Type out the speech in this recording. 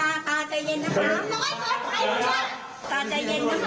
น้าสาวของน้าผู้ต้องหาเป็นยังไงไปดูนะครับ